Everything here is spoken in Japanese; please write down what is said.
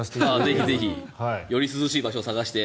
ぜひぜひより涼しい場所を探して。